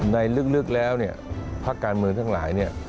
ในลึกแล้วพระการมือทั้งหลาย